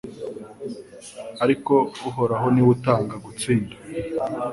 ariko Uhoraho ni we utanga gutsinda